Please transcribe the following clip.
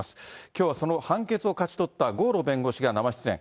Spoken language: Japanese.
きょうはその判決を勝ち取った郷路弁護士が生出演。